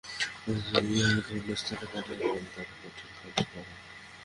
মান্দ্রাজ থেকে ইঁহাকে অন্যান্য স্থানে পাঠান তত কঠিন কার্য নহে।